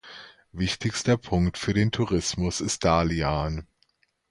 Wichtigster Punkt für den Tourismus ist Dalian.